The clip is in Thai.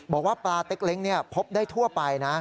บอกว่าปลาเต็กเล้งพบได้ทั่วไปนะ